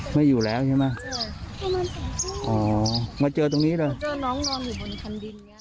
ใช่ไหมครับมาเจอตรงนี้หรือครับมาเจอน้องนอนอยู่บนคันดิน